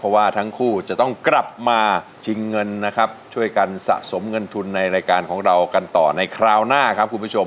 เพราะว่าทั้งคู่จะต้องกลับมาชิงเงินนะครับช่วยกันสะสมเงินทุนในรายการของเรากันต่อในคราวหน้าครับคุณผู้ชม